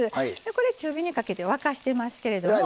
これ中火にかけて沸かしてますけれども。